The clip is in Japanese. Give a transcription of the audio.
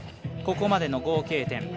ここまでの合計点